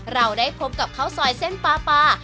เราได้พบกับข้าวซอยเส้นปลาปลา